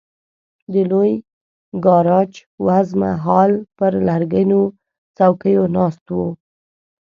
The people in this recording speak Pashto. د لوی ګاراج وزمه هال پر لرګینو څوکیو ناست وو.